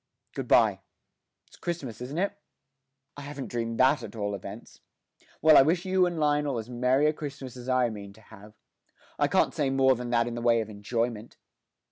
Good bye. It's Christmas, isn't it? I haven't dreamed that at all events. Well, I wish you and Lionel as merry a Christmas as I mean to have. I can't say more than that in the way of enjoyment.'